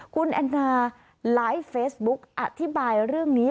คุณแอนนาไลฟ์เฟซบุ๊กอธิบายเรื่องนี้